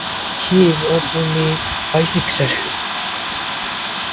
He is openly bisexual.